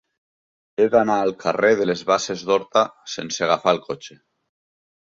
He d'anar al carrer de les Basses d'Horta sense agafar el cotxe.